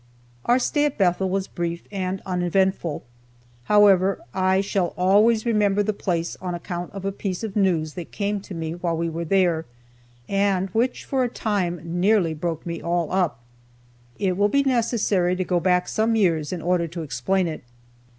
Our stay at Bethel was brief and uneventful. However, I shall always remember the place on account of a piece of news that came to me while we were there, and which for a time nearly broke me all up. It will be necessary to go back some years in order to explain it.